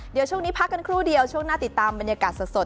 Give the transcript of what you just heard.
เดี๋ยวช่วงนี้พักกันครู่เดียวช่วงหน้าติดตามบรรยากาศสด